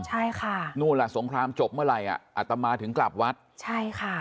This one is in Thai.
ใช่ค่ะนู่นแหละสงครามจบเมื่อไหร่อ่ะอัตมาถึงกลับวัดใช่ค่ะ